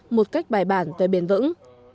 một cách bài bản và bền vững